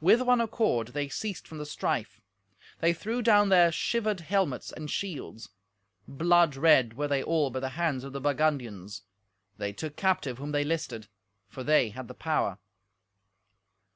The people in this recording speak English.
With one accord they ceased from the strife. They threw down their shivered helmets and shields. Blood red were they all by the hands of the Burgundians. They took captive whom they listed, for they had the power.